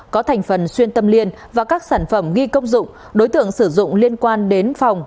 có thành phần xuyên tâm liên và các sản phẩm ghi công dụng đối tượng sử dụng liên quan đến phòng